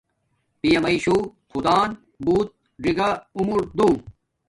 پیا میشو خدان بوت ڎگہ عمر دو